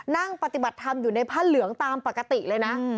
นั่งปฏิบัติธรรมอยู่ในผ้าเหลืองตามปกติเลยนะ